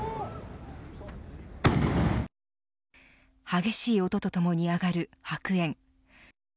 激しい音とともに上がる白煙。